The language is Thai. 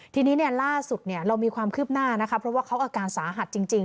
ทีนี้ล่าสุดเรามีความคืบหน้านะคะเพราะว่าเขาอาการสาหัสจริง